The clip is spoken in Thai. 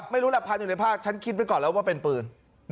ไม่รู้แหละพาอยู่ในภาคฉันคิดไว้ก่อนแล้วว่าเป็นปืน